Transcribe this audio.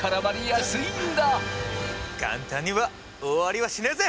簡単には終わりはしねえぜ！